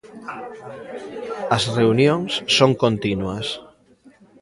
As reunións son continuas.